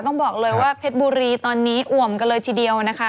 ต้องบอกเลยว่าเพชรบุรีตอนนี้อ่วมกันเลยทีเดียวนะคะ